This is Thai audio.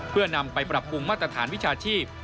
เพื่อนำไปปรับปรุงมาตรฐานวิชาชีพ